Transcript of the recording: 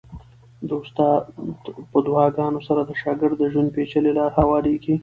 د استاد په دعاګانو سره د شاګرد د ژوند پېچلې لارې هوارېږي.